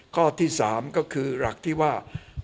ข้อที่๓ก็คือหลักที่ว่า